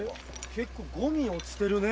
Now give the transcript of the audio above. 結構ゴミ落ちてるね。